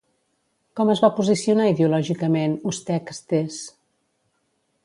Com es va posicionar ideològicament USTEC-STEs?